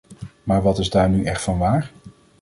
Maar wat is daar nu echt van waar?